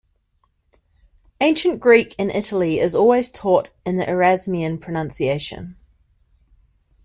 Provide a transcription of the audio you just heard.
Ancient Greek in Italy is always taught in the Erasmian pronunciation.